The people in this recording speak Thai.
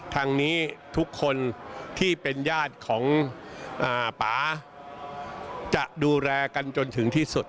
ทางนี้ทุกคนที่เป็นญาติของป่าจะดูแลกันจนถึงที่สุด